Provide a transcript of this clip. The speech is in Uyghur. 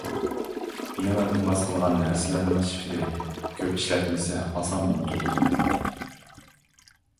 يېڭى ئىلتىماس قىلغان نەرسىلەرنىڭ شىفىرى كۆپ ئىشلەتمىسە ئاسان ئۇنتۇلىدۇ.